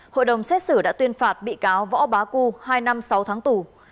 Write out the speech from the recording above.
hội đồng xét xử đã tuyên phạt bị cáo võ bá cư hai năm sáu tháng tù